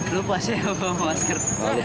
lupa saya mau pakai masker